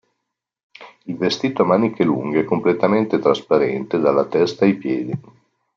Il vestito, a maniche lunghe, è completamente trasparente dalla testa ai piedi.